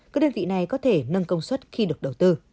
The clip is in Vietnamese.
các đơn vị này có thể nâng công suất khi được đầu tư